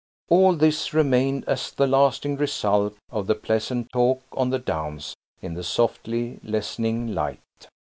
All this remained, as the lasting result of the pleasant talk on the downs in the softly lessening light.